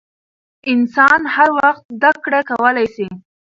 انسان هر وخت زدکړه کولای سي .